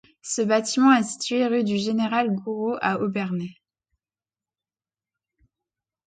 Ce bâtiment est situé rue du Général-Gouraud à Obernai.